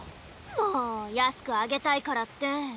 もう安くあげたいからって。